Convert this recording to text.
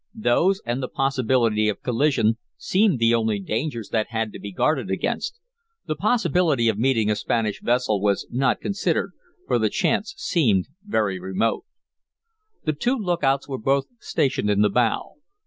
Those, and the possibility of collision, seemed the only dangers that had to be guarded against; the possibility of meeting a Spanish vessel was not considered, for the chance seemed very remote. The two lookouts were both stationed in the bow.